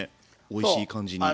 おいしい感じに。